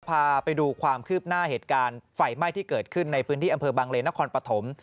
พาไปดูความคืบหน้าเหตุการณ์ไฟไหม้ที่เกิดขึ้นในพื้นที่อำเภอบังเลนครปฐม